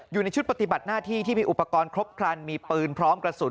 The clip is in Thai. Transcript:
อยู่ในชุดปฏิบัติหน้าที่ที่มีอุปกรณ์ครบครันมีปืนพร้อมกระสุน